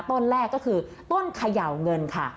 ต้นแรกก็คือต้นเขย่าเงินค่ะ